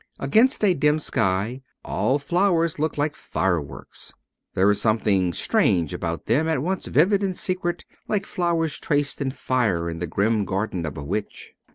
Against a dim sky all flowers look like fireworks. There is something strange about them at once vivid and secret, like flowers traced in fire in the grim garden of a witch.